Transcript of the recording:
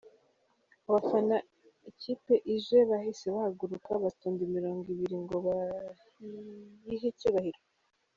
Abafana ikipe ije bahise bahaguruka batonda imirongo ibiri ngo bayihe icyubahiro